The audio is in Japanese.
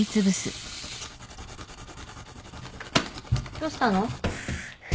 どうしたの？